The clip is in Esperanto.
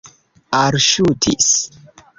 alŝutis